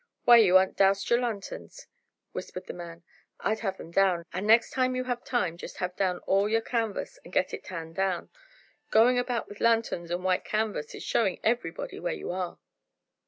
"Why, you aren't dowsed your lanthorns," whispered the man. "I'd have them down, and next time you have time just have down all your canvas, and get it tanned brown. Going about with lanthorns and white canvas is showing everybody where you are."